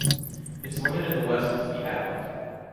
Its limit in the west is the Av.